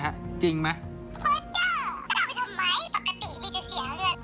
โทษเจ้าจะกลับไปทำไมปกติไม่จะเสียเรื่อง